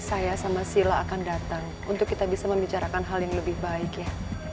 saya sama sila akan datang untuk kita bisa membicarakan hal yang lebih baik ya